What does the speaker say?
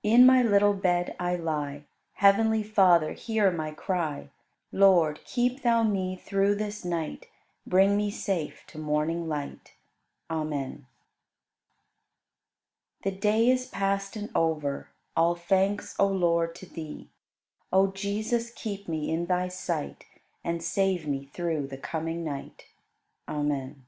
23. In my little bed I lie: Heavenly Father, hear my cry; Lord, keep Thou me through this night. Bring me safe to morning light. Amen. 24. The day is past and over, All thanks, O Lord, to Thee! O Jesus, keep me in Thy sight And save me through the coming night. Amen. 25.